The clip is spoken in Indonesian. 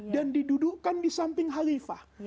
dan didudukan di samping khalifah